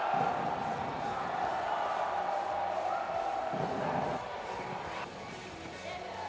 สวัสดีครับทุกคน